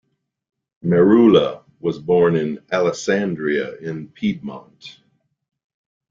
Merula was born in Alessandria in Piedmont.